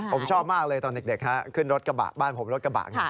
ผมชอบมากเลยตอนเด็กขึ้นรถกระบะบ้านผมรถกระบะ